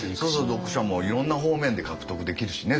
読者もいろんな方面で獲得できるしね